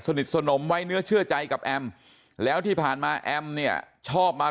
สนมไว้เนื้อเชื่อใจกับแอมแล้วที่ผ่านมาแอมเนี่ยชอบมา